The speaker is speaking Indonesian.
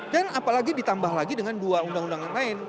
dan apalagi ditambah lagi dengan dua undang undang yang lain